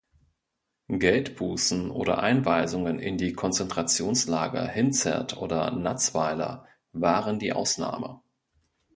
Geldbußen oder Einweisungen in die Konzentrationslager Hinzert oder Natzweiler waren die Ausnahme.